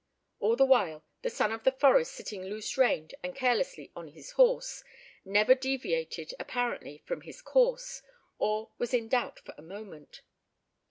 All the while, the son of the forest sitting loose reined and carelessly on his horse, never deviated apparently from his course, or was in doubt for a moment.